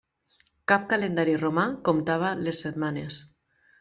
Cap calendari romà comptava les setmanes.